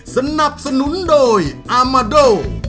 สนับสนุนโดยอามาโด